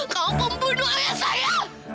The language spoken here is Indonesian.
kau pembunuh ayah saya